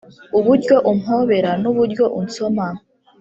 uburyo umpobera n’uburyo unsoma